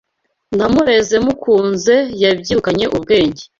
Namureze mukunze Yabyirukanye ubwenge